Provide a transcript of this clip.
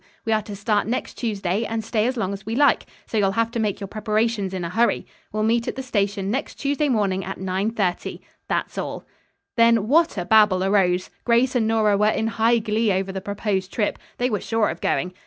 We are to start next Tuesday, and stay as long as we like. So you'll have to make your preparations in a hurry. We'll meet at the station next Tuesday morning at 9.30. That's all." Then what a babble arose. Grace and Nora were in high glee over the proposed trip. They were sure of going.